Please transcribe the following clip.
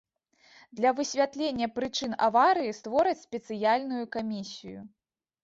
Для высвятлення прычын аварыі створаць спецыяльную камісію.